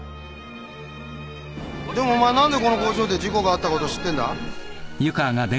でもお前何でこの工場で事故があったこと知ってんだ？